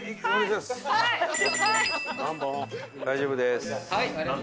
大丈夫です。